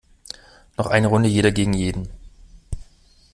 Noch eine Runde jeder gegen jeden!